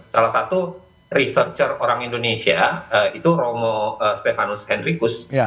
salah satu researcher orang indonesia itu romo stefanus henrycus